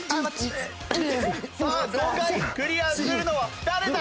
さあ５回クリアするのは誰だ？